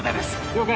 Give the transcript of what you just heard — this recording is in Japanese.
了解